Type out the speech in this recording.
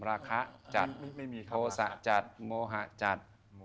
ราคะจัดโทษะจัดโมหะจัด